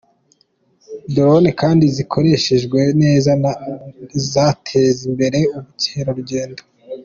Drone kandi zikoreshejwe neza zateza imbere ubukerarugendo.